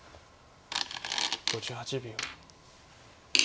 ５８秒。